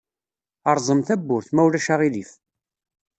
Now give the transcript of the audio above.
Rẓem tawwurt, ma ulac aɣilif.